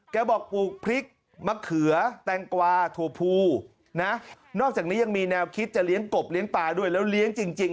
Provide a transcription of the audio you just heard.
บอกปลูกพริกมะเขือแตงกวาถั่วพูนะนอกจากนี้ยังมีแนวคิดจะเลี้ยงกบเลี้ยงปลาด้วยแล้วเลี้ยงจริง